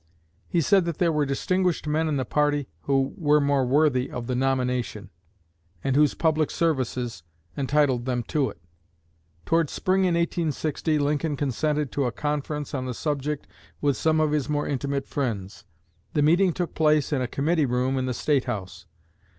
He said that there were distinguished men in the party who were more worthy of the nomination, and whose public services entitled them to it. Toward spring in 1860 Lincoln consented to a conference on the subject with some of his more intimate friends. The meeting took place in a committee room in the State House.